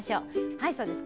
はいそうです。